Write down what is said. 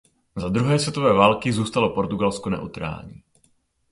Za druhé světové války zůstalo Portugalsko neutrální.